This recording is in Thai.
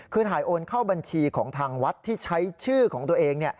คือถ่ายโอนเข้าบัญชีของทางวัดที่ใช้ชื่อของตัวเอง